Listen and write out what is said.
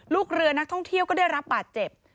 ลูกเรือนักท่องเที่ยวก็ได้รับบาดเจ็บ